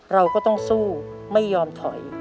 เราก็ต้องสู้ไม่ยอมถอย